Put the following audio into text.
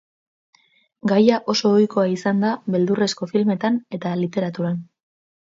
Gaia oso ohikoa izan da beldurrezko filmetan eta literaturan.